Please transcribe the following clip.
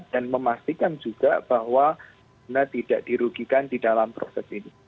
dan memastikan juga bahwa tidak dirugikan di dalam proses ini